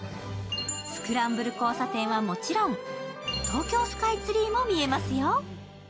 スクランブル交差点はもちろん、東京スカイツリーも見えますよ。